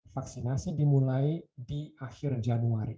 vaksinasi dimulai di akhir januari